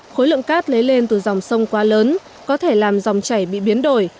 khối lượng cát lấy lên từ dòng sông quá lớn có thể làm dòng chảy bị biến đổi